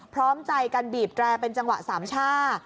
พร้อมใจกันบีบแตรเป็นจังหวะสามช่า